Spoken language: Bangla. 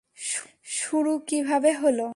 শুরু কীভাবে হলো?